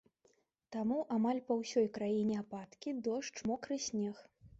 Таму амаль па ўсёй краіне ападкі, дождж, мокры снег.